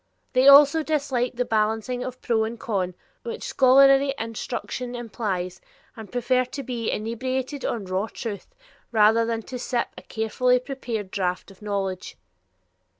They also dislike the balancing of pro and con which scholarly instruction implies, and prefer to be "inebriated on raw truth" rather than to sip a carefully prepared draught of knowledge.